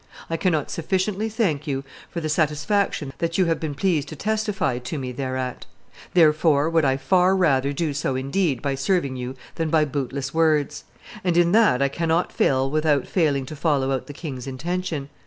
I cannot sufficiently thank you for the satisfaction that you have been pleased to testify to me thereat. Therefore would I far rather do so in deed by serving you than by bootless words. And in that I cannot fail without failing to follow out the king's intention.